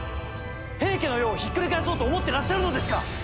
平家の世をひっくり返そうと思ってらっしゃるのですか！